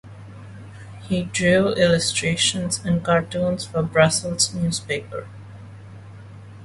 He drew illustrations and cartoons for Brussels newspapers.